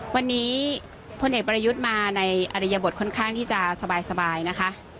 วันนี้พลเอกประยุทธ์มาในอริยบทค่อนข้างที่จะสบายนะคะ